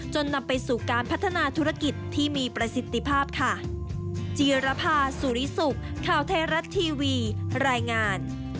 นำไปสู่การพัฒนาธุรกิจที่มีประสิทธิภาพค่ะ